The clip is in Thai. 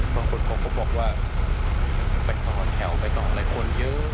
บางคนพบพวกเขาบอกว่าไปก็จะเป็นแถวเป็นแถวเยอะ